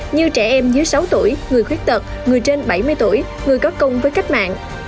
như trẻ em dưới sáu tuổi người khuyết tật người trên bảy mươi tuổi người có công với cách mạng